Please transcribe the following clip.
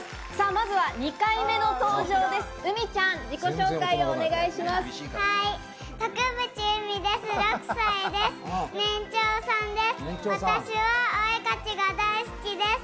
まずは２回目の登場です。